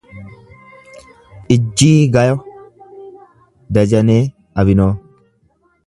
Ijjiigayo Dajanee Abinoo